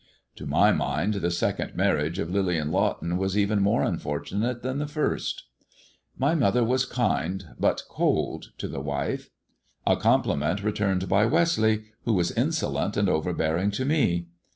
204 THE DEAD MAN'S DIAMONDS To my mind the second marriage of Lillian Lawton was even more unfortunate than the first. My mother was kind but cold to the wife ; a compliment returned by Westleigh, who was insolent and overbeariog to me.